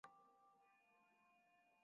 iri katika ofisi ya rais edward maclein